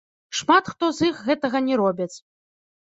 Шмат хто з іх гэтага не робяць.